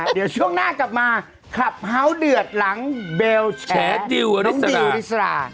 เดี๋ยวช่วงหน้ากลับมาขับเฮาส์เดือดหลังเบลแฉดิวอริสดิวริสรา